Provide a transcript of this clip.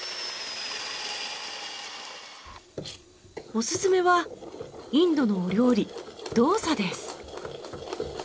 おすすめはインドのお料理ドーサです。